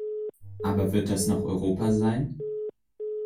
Aber wird das noch Europa sein?